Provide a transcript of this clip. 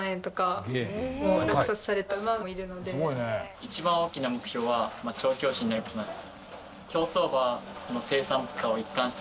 一番大きな目標は調教師になる事なんです。